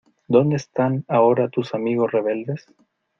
¿ Dónde están ahora tus amigos rebeldes?